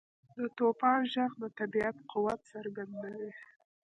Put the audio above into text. • د توپان ږغ د طبیعت قوت څرګندوي.